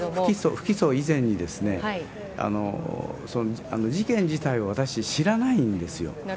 不起訴以前にですね、事件自体を私、知らないんですよ。